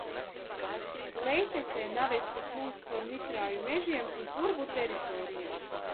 Lejtecē Navesti plūst caur mitrāju mežiem un purvu teritorijām.